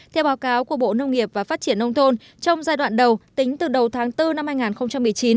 theo báo cáo của bộ nông nghiệp và phát triển nông thôn trong giai đoạn đầu tính từ đầu tháng bốn năm hai nghìn một mươi chín